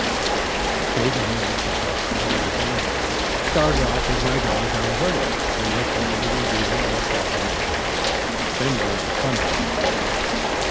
"Occasionally I took up my rifle and started off with my dog down the river, to look up a little deer or bar meat, then very plenty along the river.